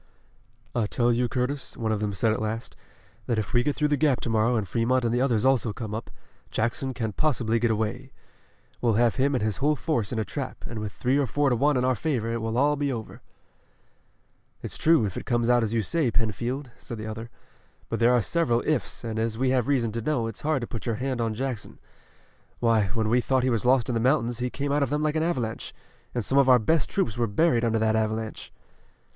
"I tell you, Curtis," one of them said at last, "that if we get through the Gap to morrow and Fremont and the others also come up, Jackson can't possibly get away. We'll have him and his whole force in a trap and with three or four to one in our favor, it will be all over." "It's true, if it comes out as you say, Penfield," said the other, "but there are several 'ifs,' and as we have reason to know, it's hard to put your hand on Jackson. Why, when we thought he was lost in the mountains he came out of them like an avalanche, and some of our best troops were buried under that avalanche."